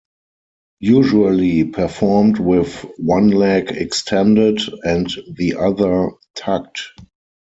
Usually performed with one leg extended and the other tucked.